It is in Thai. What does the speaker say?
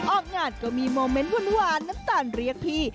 ออกงานก็มีโมเมนต์หวานน้ำตาลเรียกพี่